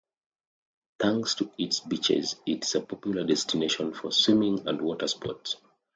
Thanks to its beaches it is a popular destination for swimming and water sports.